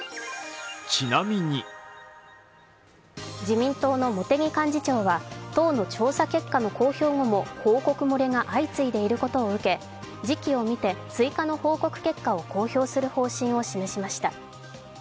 自民党の茂木幹事長は党の調査結果の公表後も報告漏れが相次いでいることを受け、時期を見て追加の報告結果を公表する方針を示しました。